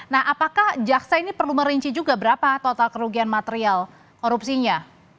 nah apakah jaksa ini perlu merinci juga berapa total kerugian material korupsinya